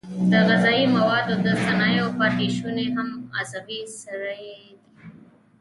د غذایي موادو د صنایعو پاتې شونې هم عضوي سرې دي.